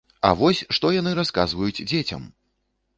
А вось што яны расказваюць дзецям!